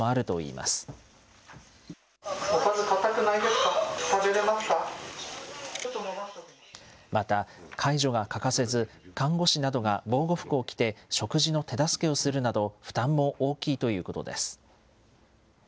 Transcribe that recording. また、介助が欠かせず、看護師などが防護服を着て食事の手助けをするなど、負担も大きいということです。